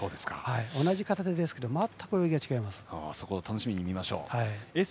同じクラスですが全く泳ぎが違います。